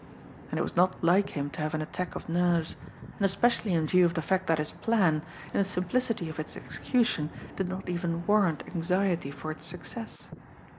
And it was not like him to have an attack of nerves and especially in view of the fact that his plan, in the simplicity of its execution did not even warrant anxiety for its success.